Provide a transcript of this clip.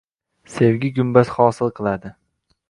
Sevgi gumbaz hosil qiladi.